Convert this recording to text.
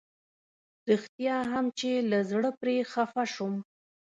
رښتيا هم چې له زړه پرې خفه شوم.